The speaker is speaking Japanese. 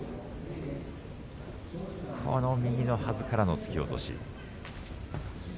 左のはずからの突き落とし。